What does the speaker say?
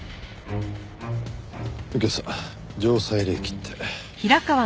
右京さん城西冷機って。